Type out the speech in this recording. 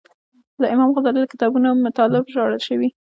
له امام غزالي له کتابو مطالب ژباړل شوي.